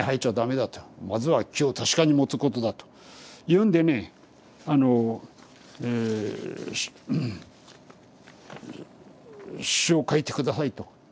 まずは気を確かに持つことだというんでねえ詩を書いて下さいと。